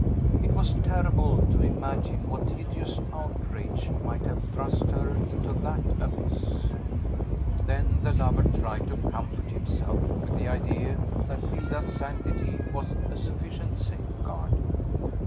It was terrible to imagine what hideous outrage might have thrust her into that abyss! Then the lover tried to comfort himself with the idea that Hilda's sanctity was a sufficient safeguard.